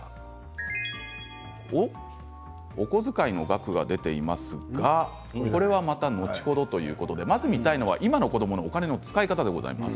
お小遣いの額が出ていますがこれはまた後ほどということでまず見たいのは今の子どものお金の使い方です。